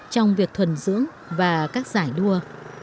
trong việc thuần dưỡng và các giải đua